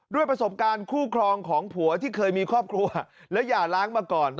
ด้วยประสบการณ์คู่ครองของผัวที่เคยมีครอบครัวและอย่าล้างมาก่อน